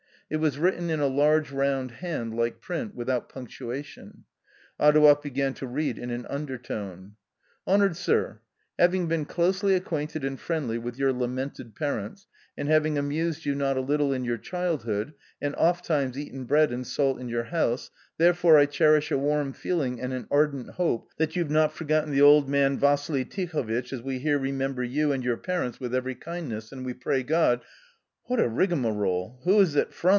It was written in a large round hand like print, without punctuation, Adouev began to read in an undertone. " Honoured Sir, — Having been closely acquainted and friendly with your lamented parents, and having amused you not a little in your childhood and ofttimes eaten bread and salt in your house, therefore I cherish a warm feeling and an ardent hope that you have not forgotten the old man Vassili Tihovitch, as we here remember you and your parents with every kindness and we pray God " "What a rigmarole? Who is it from?"